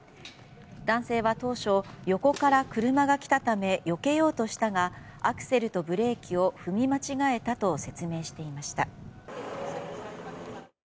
男性は当初、横から車が来たためよけようとしたがアクセルとブレーキを踏み間違えたと説明していました。